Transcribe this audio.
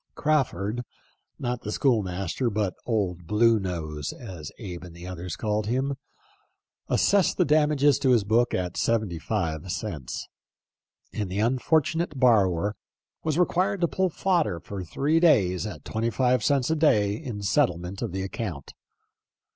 Crawford — not the school master, but old Blue Nose, as Abe and others called him — assessed the damage to his book at seventy five cents, and the unfortunate borrower was re quired to pull fodder for three days at twenty five cents a day in settlement of the account.